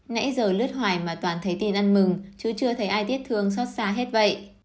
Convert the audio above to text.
nãy giờ lướt hoài mà toàn thấy tin ăn mừng chứ chưa thấy ai tiếc thương xót xa hết vậy